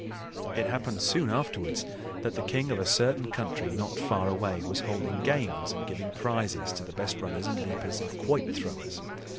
It happened soon afterwards that the king of a certain country not far away was holding games and giving prizes to the best runners and leapers and quoit throwers.